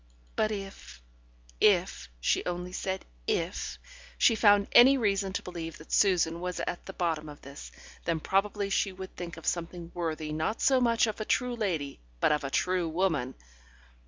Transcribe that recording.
But if if (she only said "if") she found any reason to believe that Susan was at the bottom of this, then probably she would think of something worthy not so much of a true lady but of a true woman.